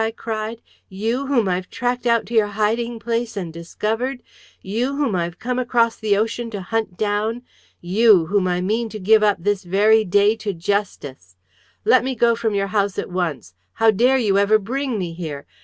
I cried. "You, whom I've tracked out to your hiding place and discovered! You, whom I've come across the ocean to hunt down! You, whom I mean to give up this very day to Justice! Let me go from your house at once! How dare you ever bring me here?